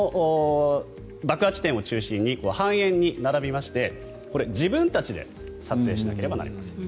爆破地点を中心に半円に並びましてこれ、自分たちで撮影しなければなりません。